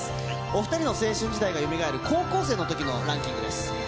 お２人の青春時代がよみがえる高校生のときのランキングです。